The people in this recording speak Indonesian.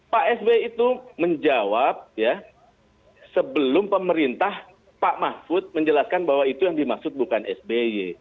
pak sby itu menjawab ya sebelum pemerintah pak mahfud menjelaskan bahwa itu yang dimaksud bukan sby